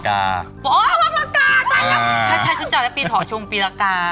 อ๋อวอกละกาใช่ฉันจัดแล้วปีเทาะชงปีละกา